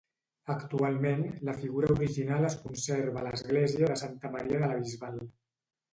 Actualment, la figura original es conserva a l'església de Santa Maria de la Bisbal.